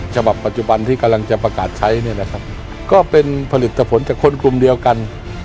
ฉบับปัจจุบันที่กำลังจะประกาศใช้เนี่ยนะครับก็เป็นผลิตผลจากคนกลุ่มเดียวกัน